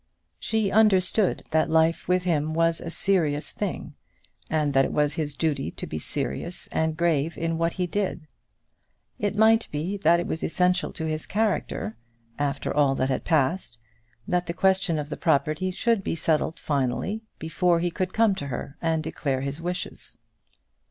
She understood that life with him was a serious thing, and that it was his duty to be serious and grave in what he did. It might be that it was essential to his character, after all that had passed, that the question of the property should be settled finally, before he could come to her, and declare his wishes.